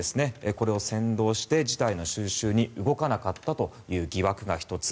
これを扇動して事態の収拾に動かなかったという疑惑が１つ。